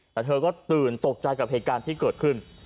แต่เธอก็ตื่นตกใจกับเหตุการณ์ที่เกิดขึ้น